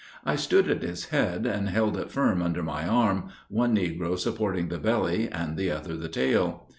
I stood at his head, and held it firm under my arm, one negro supporting the belly and the other the tail.